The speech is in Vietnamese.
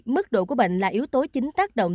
mức độ của bệnh là yếu tố chính tác động